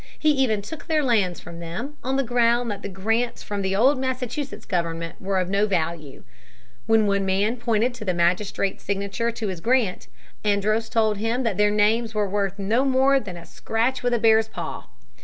He even took their lands from them, on the ground that the grants from the old Massachusetts government were of no value. When one man pointed to the magistrates' signatures to his grant, Andros told him that their names were worth no more than a scratch with a bear's paw.